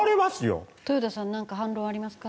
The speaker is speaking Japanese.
豊田さんなんか反論はありますか？